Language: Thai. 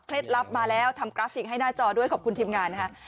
ลับมาแล้วทำกราฟิกให้หน้าจอด้วยขอบคุณทีมงานนะคะ